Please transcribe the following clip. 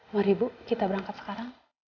mari bu kita berangkat sekarang